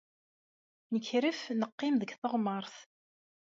Nekref, neqqim deg teɣmert.